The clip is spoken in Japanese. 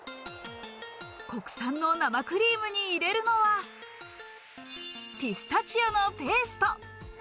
国産の生クリームに入れるのはピスタチオのペースト。